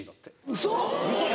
ウソ！